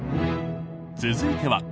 続いては。